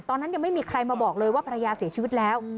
ยังไม่มีใครมาบอกเลยว่าภรรยาเสียชีวิตแล้ว